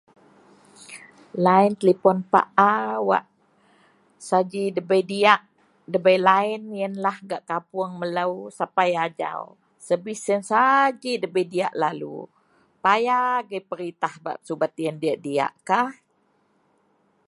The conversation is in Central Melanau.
Laen talipon paa wak saji debei diak debei line yen lah gak kapuong melo, sapai ajau, sabis sien debei diak lalu, paya agei peritah bak subet yen diak diak kah?